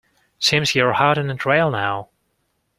Seems you're hot on the trail now.